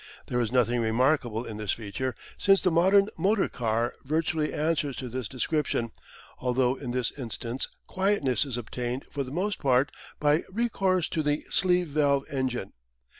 There is nothing remarkable in this feature, since the modern motor car virtually answers to this description, although in this instance quietness is obtained for the most part by recourse to the sleeve valve engine.